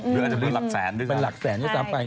หรืออาจจะเป็นหลักแสนด้วย